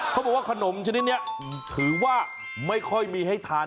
เขาบอกว่าขนมชนิดนี้ถือว่าไม่ค่อยมีให้ทาน